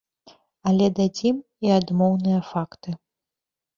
Але дадзім і адмоўныя факты.